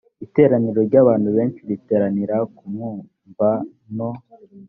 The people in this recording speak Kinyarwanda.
iteraniro ry abantu benshi riteranira kumwumva no